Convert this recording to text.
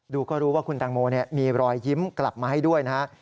ดูก็รู้ว่าคุณแตงโมมีรอยยิ้มกลับมาให้ด้วยนะฮะ